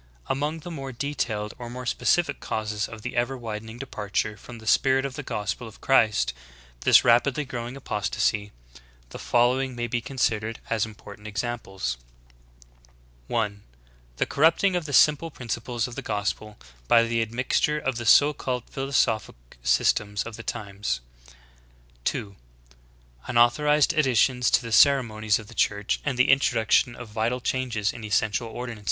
Among the more detailed or specific causes of this ever widening departure from the spirit of the gospel of Christ, this rapidly growing apostasy, the following may bexQnsidered as important examples : y ( 1 j i The corrupting of the simple principles of the gos* ^3^"by the admixture of the so called philosophic systems of the times. ' (2). Unauthorized additions to the ceremonies of the Chttrch, and the introduction of vital changes in essential ordinances.